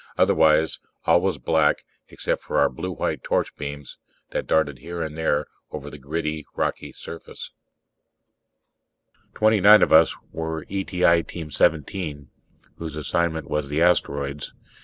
Otherwise all was black, except for our blue white torch beams that darted here and there over the gritty, rocky surface. The twenty nine of us were E.T.I. Team 17, whose assignment was the asteroids.